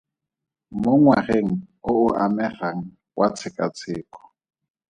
Mo ngwageng o o amegang wa tshekatsheko.